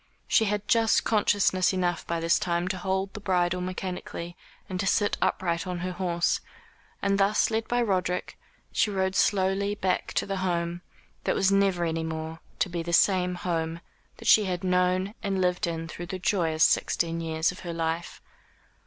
She had just consciousness enough by this time to hold the bridle mechanically, and to sit upright on her horse; and thus led by Roderick, she rode slowly back to the home that was never any more to be the same home that she had known and lived in through the joyous sixteen years of her life.